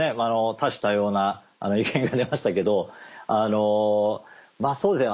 多種多様な意見が出ましたけどまあそうですね。